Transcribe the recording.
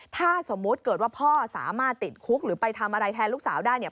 ถ้าสมมุติเกิดว่าพ่อสามารถติดคุกหรือไปทำอะไรแทนลูกสาวได้เนี่ย